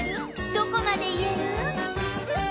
どこまで言える？